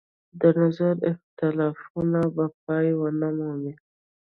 د نظر اختلافونه به پای ونه مومي.